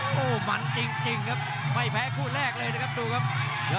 โอ้โหมันจริงครับไม่แพ้คู่แรกเลยนะครับดูครับ